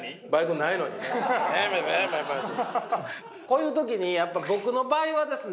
こういう時にやっぱ僕の場合はですね